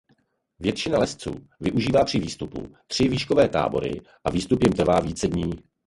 Většina lezců využívá při výstupu tři výškové tábory a výstup jim trvá více dní.